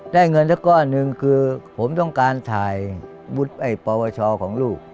ได้เงินสักก้อนหนึ่งคือผมต้องการถ่ายวุฒิไอ้ปวชของลูก